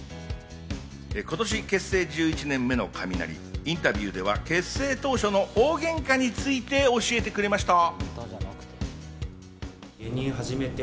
今年結成１１年目のカミナリ、インタビューでは結成当初の大ゲンカについて教えてくれました。